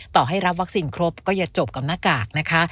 ต่อให้รับวัคซีนครบก็อย่าจบกับหน้ากากนะคะ